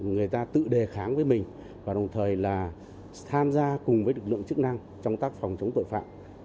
người ta tự đề kháng với mình và đồng thời là tham gia cùng với lực lượng chức năng trong các phòng chống tội phạm